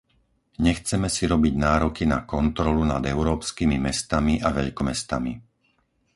Nechceme si robiť nároky na kontrolu nad európskymi mestami a veľkomestami.